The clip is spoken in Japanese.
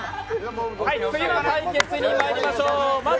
次の対決にまいりましょう。